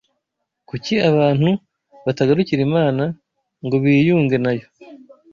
Kuki abantu batagarukira Imana ngo biyunge na Yo?